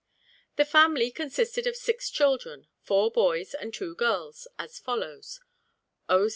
The family consisted of six children, four boys and two girls, as follows: O.